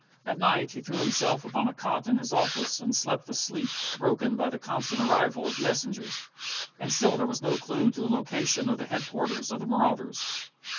At night he threw himself upon a cot in his office and slept a sleep broken by the constant arrival of messengers. And still there was no clue to the location of the headquarters of the marauders.